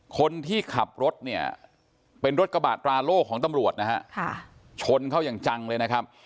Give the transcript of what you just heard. คนที่ขับรถเป็นรถกระบาดราโลกรณ์ของตำรวจชนเขายังจังเลย